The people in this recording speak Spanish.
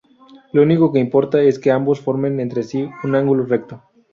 Lo único que importa es que ambos formen entre sí un ángulo recto.